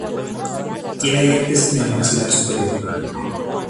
Tiene dientes en el maxilar superior.